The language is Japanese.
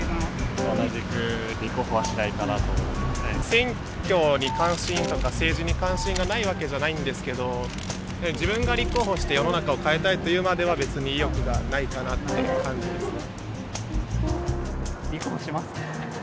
選挙に関心とか政治に関心がないわけじゃないけど自分が立候補して世の中を変えたいというまでは、別に意欲がないかなって感じですね。